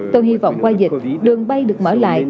tôi hy vọng qua dịch đường bay được mở lại